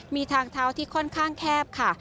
มีทางเท้าที่ค่อนข้างแคบค่ะ